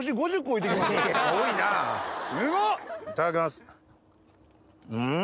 いただきますうん！